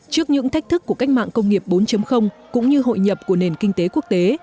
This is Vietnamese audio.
trước những thách thức của cách mạng công nghiệp bốn cũng như hội nhập của nền kinh tế quốc tế